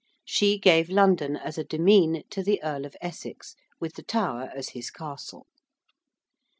She gave London as 'a demesne' to the Earl of Essex, with the Tower as his castle.